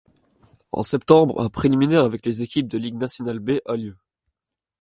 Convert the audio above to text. En septembre, un préliminaire avec les équipes de Ligue nationale B a lieu.